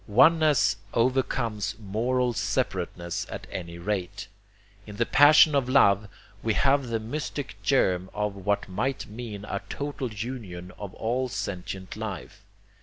Oneness overcomes MORAL separateness at any rate. In the passion of love we have the mystic germ of what might mean a total union of all sentient life.